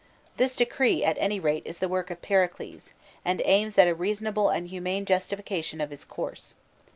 This decree, at any rate, is the work of Pericles, and aims at a reasonable and humane justification of his course.